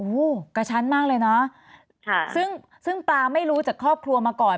โอ้โหกระชั้นมากเลยเนอะค่ะซึ่งซึ่งตาไม่รู้จากครอบครัวมาก่อน